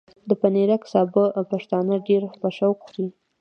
د پنېرک سابه پښتانه ډېر په شوق خوري۔